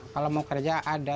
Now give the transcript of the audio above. kalau mau kerja ada